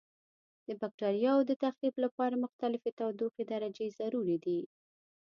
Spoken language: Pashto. د بکټریاوو د تخریب لپاره مختلفې تودوخې درجې ضروري دي.